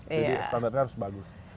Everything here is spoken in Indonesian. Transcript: jadi standar harus bagus